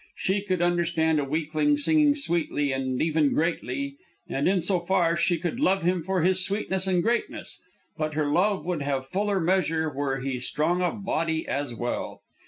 She could understand a weakling singing sweetly and even greatly, and in so far she could love him for his sweetness and greatness; but her love would have fuller measure were he strong of body as well.